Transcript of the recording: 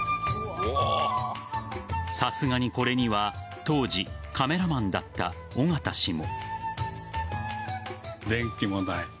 さすがにこれには当時カメラマンだった緒方氏も。